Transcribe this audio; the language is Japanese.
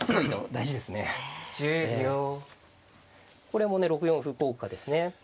これもね６四歩効果ですね。